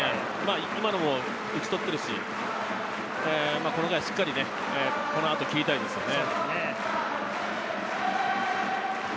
今のも打ち取っているし、この回、しっかり切りたいですね。